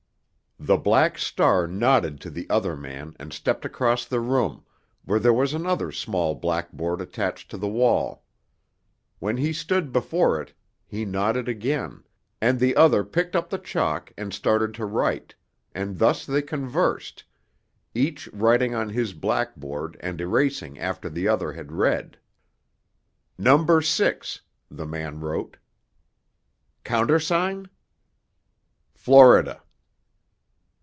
The Black Star nodded to the other man and stepped across the room, where there was another small blackboard attached to the wall. When he stood before it he nodded again, and the other picked up the chalk and started to write, and thus they conversed, each writing on his blackboard and erasing after the other had read. "Number Six," the man wrote. "Countersign?" "Florida."